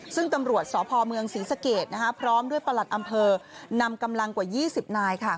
ซึ่งตำรวจสพเมืองศรีสะเกดพร้อมด้วยประหลัดอำเภอนำกำลังกว่า๒๐นายค่ะ